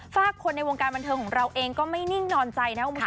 ฝากคนในวงการบันเทิงของเราเองไม่นิ่งนอนใจ